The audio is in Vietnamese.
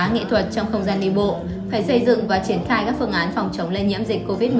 nghệ thuật trong không gian đi bộ phải xây dựng và triển khai các phương án phòng chống lây nhiễm dịch covid một mươi chín